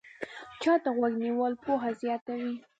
چا ته غوږ نیول پوهه زیاتوي